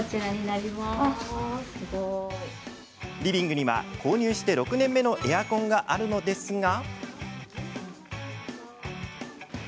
リビングには購入して６年目のエアコンがあるのですが。